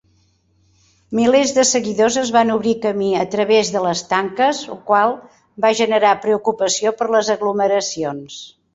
Milers de seguidors es van obrir camí a través de les tanques, ho qual va generar preocupació per les aglomeracions.